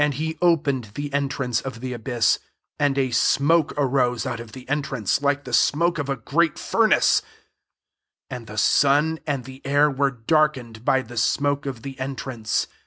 401 3>pened the entrance of the ibja$]]9 and a dmoke arose out >£ the entrance, like the smoke >f a great furnace; and the mn and the air were darkened 3y the smoke of the entrance.